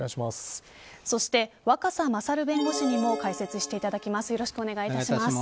そして、若狭勝弁護士に解説していただきます。